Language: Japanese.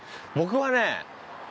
僕はね